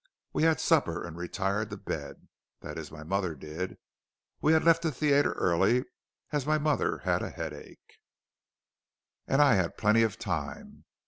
We had supper and retired to bed. That is, my mother did. We had left the theatre early, as my mother had a headache, and I had plenty of time.